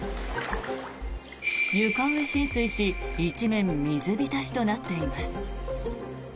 床上浸水し一面、水浸しとなっています。